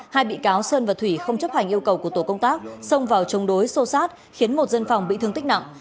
hai bị cáo sơn và thủy không chấp hành yêu cầu của tổ công tác xông vào chống đối xô xát khiến một dân phòng bị thương tích nặng